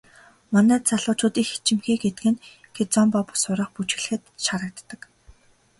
Манай залуучууд их ичимхий гэдэг нь кизомба сурах, бүжиглэхэд ч харагддаг.